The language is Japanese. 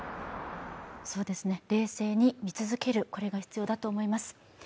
そうですね、冷静に見続ける、これが必要だと思います。